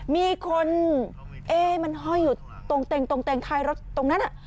มีคนเอ๊ะมันห้อยอยู่ตรงเต็งตรงเต็งท้ายรถตรงนั้น